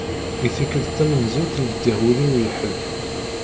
I tikkelt tamenzut i d-ldiɣ ul-iw i ḥed.